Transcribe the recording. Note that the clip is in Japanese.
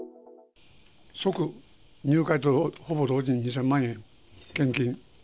即、入会とほぼ同時に２０００万円献金。